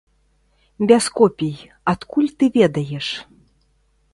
Без копій, адкуль ты ведаеш?